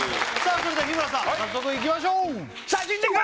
それでは日村さん早速いきましょう！